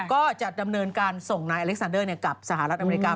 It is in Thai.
ก็จะดำเนินการส่งนายอเล็กซานเดอร์กลับสหรัฐอเมริกา